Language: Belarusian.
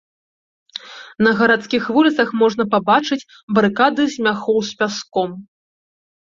На гарадскіх вуліцах можна пабачыць барыкады з мяхоў з пяском.